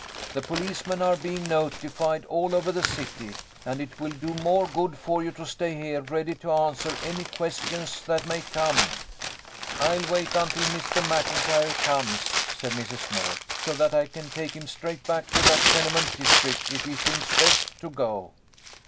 The policemen are being notified all over the city, and it will do more good for you to stay here ready to answer any questions that may come." "I'll wait until Mr. Maclntyre comes," said Mrs. Moore, " so that I can take him straight back to that tenement district if he thinks best to go."